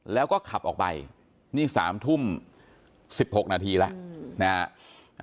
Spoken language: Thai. แล้วก็ขับออกไปนี่สามทุ่มสิบหกนาทีแล้วอืมนะฮะ